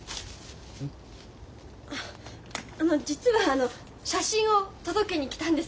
ああの実は写真を届けに来たんです。